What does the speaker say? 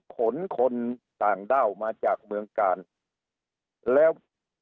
ขนคนต่างด้าวมาจากเมืองกาลแล้ว